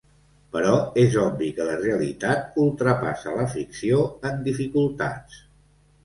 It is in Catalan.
Però és obvi que la realitat ultrapassa la ficció en dificultats.